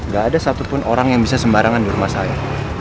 gak ada satupun orang yang bisa sembarangan di rumah saya